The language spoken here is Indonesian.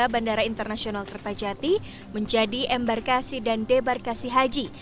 bandara internasional kertajati menjadi embarkasi dan debarkasi haji